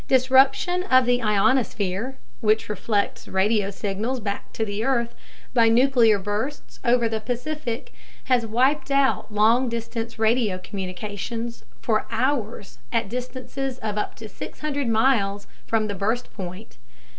Disruption of the ionosphere (which reflects radio signals back to the earth) by nuclear bursts over the Pacific has wiped out long distance radio communications for hours at distances of up to 600 miles from the burst point.